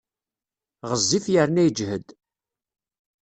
Ɣezzif yerna yejhed.